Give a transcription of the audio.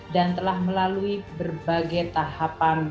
dan telah melalui berbagai tahapan